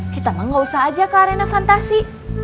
kita mah gak usah aja ke arena fantasi